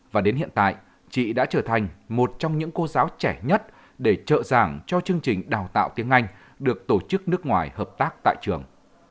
và đến hiện tại chị đã trở thành một trong những cô giáo trẻ nhất để trợ giảng cho chương trình đào tạo tiếng anh được tổ chức nước ngoài hợp tác tại trường